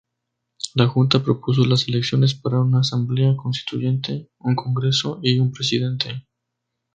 La junta propuso las elecciones para una asamblea constituyente, un congreso, y un presidente.